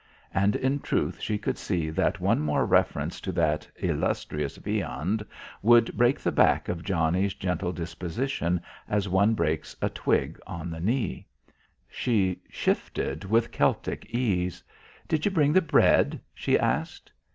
And in truth she could see that one more reference to that illustrious viand would break the back of Johnnie's gentle disposition as one breaks a twig on the knee. She shifted with Celtic ease. "Did ye bring the bread?" she asked.